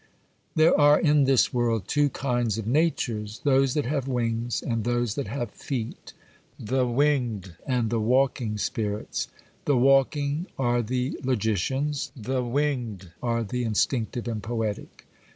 There are in this world two kinds of natures,—those that have wings, and those that have feet,—the winged and the walking spirits. The walking are the logicians; the winged are the instinctive and poetic.